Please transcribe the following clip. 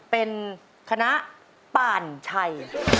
เป็นคณะป่านชัย